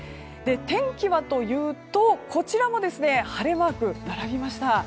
天気はというと、こちらも晴れマークが並びました。